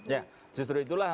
ya justru itulah